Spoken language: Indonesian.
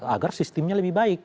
agar sistemnya lebih baik